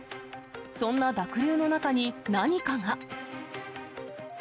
そんな濁流の中に、何かが。